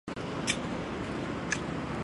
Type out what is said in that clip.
谭芷翎是香港戏剧演员。